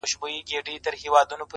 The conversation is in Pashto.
نور د ټولو كيسې ټوكي مسخرې وې.!